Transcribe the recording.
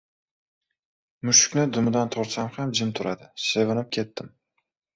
Mushukni dumidan tortsam ham jim turadi. Sevinib ketdim.